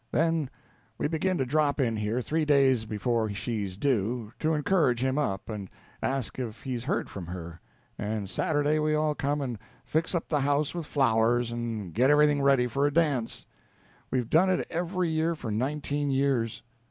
Then we begin to drop in here, three days before she's due, to encourage him up, and ask if he's heard from her, and Saturday we all come and fix up the house with flowers, and get everything ready for a dance. We've done it every year for nineteen years.